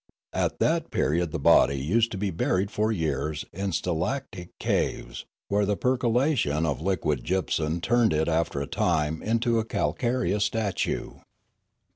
At that period the body used to be buried for years in stalactitic caves, where the percolation of the liquid gypsum turned it after a time into a calca reous statue.